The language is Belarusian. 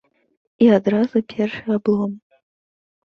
І адразу першы аблом.